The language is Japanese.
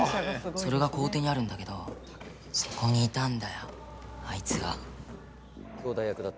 それが校庭にあるんだけどそこにいたんだよ、あいつが。